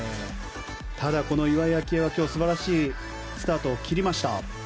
ただ、この岩井明愛は素晴らしいスタートを切りました。